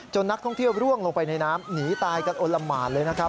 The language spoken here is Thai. นักท่องเที่ยวร่วงลงไปในน้ำหนีตายกันอลละหมานเลยนะครับ